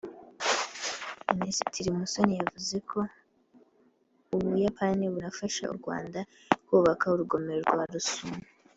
Minisitiri Musoni yavuze ko u Buyapani bunafasha u Rwanda kubaka urugomero rwa Rusumo